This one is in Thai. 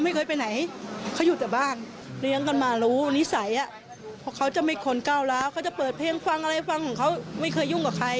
มือจะรอเมียมึงให้แหลกเลย